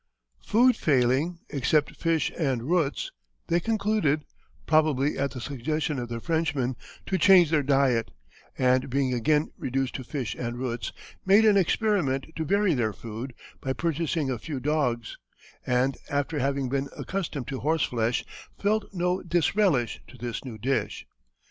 Food failing, except fish and roots, they concluded, probably at the suggestion of their Frenchmen, to change their diet, and being again reduced to fish and roots, made an experiment to vary their food by purchasing a few dogs, and after having been accustomed to horseflesh, felt no disrelish to this new dish.